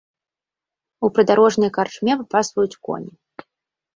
У прыдарожнай карчме папасваюць коні.